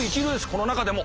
この中でも。